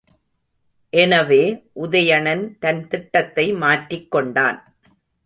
எனவே, உதயணன் தன் திட்டத்தை மாற்றிக் கொண்டான்.